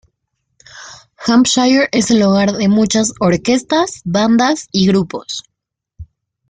Hampshire es el hogar de muchas orquestas, bandas y grupos.